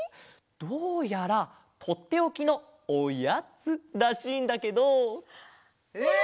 どうやらとっておきの「おやつ」らしいんだけど。え！？